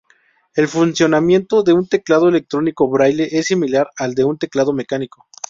El funcionamiento de un teclado electrónico braille es similar al de un teclado mecánico.